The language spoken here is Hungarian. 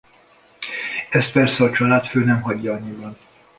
Ezt persze a családfő nem hagyja annyiban.